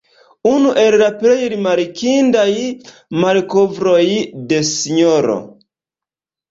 Unu el la plej rimarkindaj malkovroj de Sro.